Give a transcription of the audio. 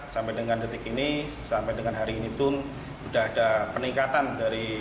sampai dengan detik ini sampai dengan hari ini pun sudah ada peningkatan dari